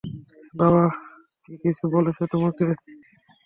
বাবা কি কিছু বলেছে তোমাকে?